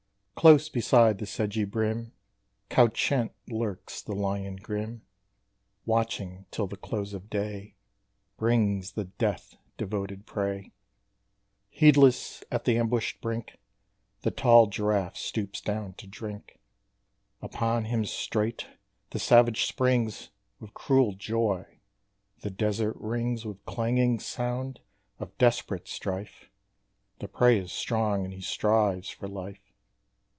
Close beside the sedgy brim Couchant lurks the lion grim; Watching till the close of day Brings the death devoted prey. Heedless at the ambushed brink The tall giraffe stoops down to drink. Upon him straight the savage springs With cruel joy. The desert rings With clanging sound of desperate strife The prey is strong and he strives for life.